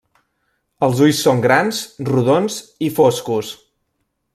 Els ulls són grans, rodons i foscos.